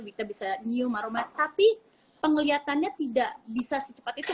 kita bisa nyium aroma tapi penglihatannya tidak bisa secepat itu